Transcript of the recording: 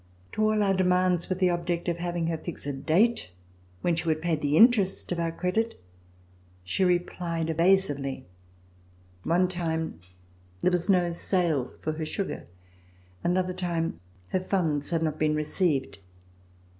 To all our demands with the object of having her fix a date when she would pay the interest of our credit, she replied evasively. One time there was no sale for her sugar, another time her funds had not been received.